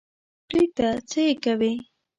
پرېږده څه یې کوې.